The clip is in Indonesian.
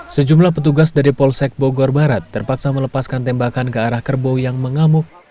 sejumlah petugas dari polsek bogor barat terpaksa melepaskan tembakan ke arah kerbau yang mengamuk